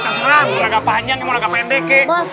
ular naga panjang mau naga pendek ya